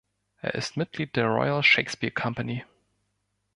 Er ist Mitglied der Royal Shakespeare Company.